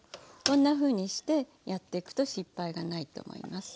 こんなふうにしてやっていくと失敗がないと思います。